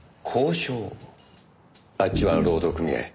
あっちは労働組合。